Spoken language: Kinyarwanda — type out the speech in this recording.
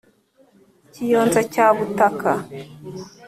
Kiyonza cya Butaka